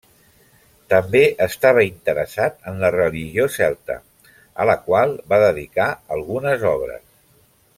També estava interessat en la religió celta, a la qual va dedicar algunes obres.